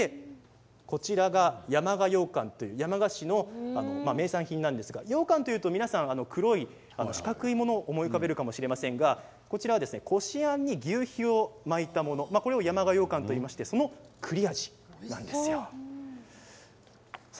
こちらが山鹿ようかんという山鹿市の名産品なんですがようかんというと皆さん黒い四角いものを思い浮かべるかもしれませんがこちらはこしあんにぎゅうひを巻いたものそれを山鹿ようかんといいましてその栗味なんですよ。